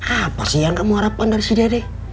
apa sih yang kamu harapkan dari si dede